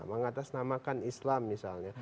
mengatasnamakan islam misalnya